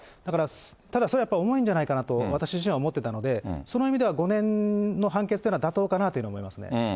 ただそれはやっぱり重いんじゃないかなと、私自身は思ってたので、その意味では５年の判決というのは妥当かなというふうに思います